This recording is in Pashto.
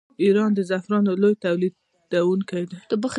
ایران د زعفرانو لوی تولیدونکی دی.